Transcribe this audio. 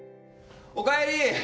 おかえり！